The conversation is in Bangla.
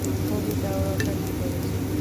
কবিতাও রচনা করেছেন।